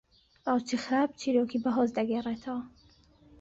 راوچیی خراپ چیرۆکی بەهۆز دەگێڕێتەوە